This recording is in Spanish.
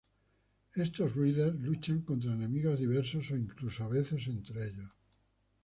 Estos Riders luchan contra enemigos diversos o incluso a veces entre ellos.